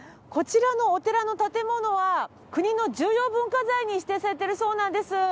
こちらのお寺の建物は国の重要文化財に指定されているそうなんです。